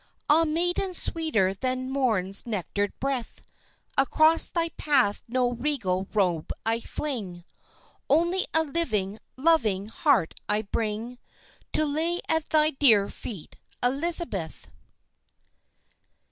Ah, maiden sweeter than morn's nectared breath, Across thy path no regal robe I fling Only a living, loving heart I bring To lay at thy dear feet, Elizabeth.